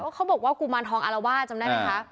เขาบอกว่ากุมารทองอารวาสจำได้ไหมคะ